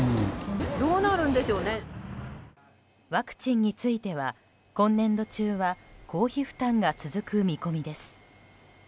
ワクチンについては今年度中は公費負担が続く見込みです。